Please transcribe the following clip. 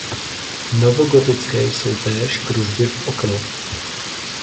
Novogotické jsou též kružby v oknech.